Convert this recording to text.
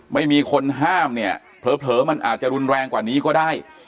ไม่มีคนห้ามเนี่ยเผลอมันอาจจะรุนแรงกว่านี้ก็ได้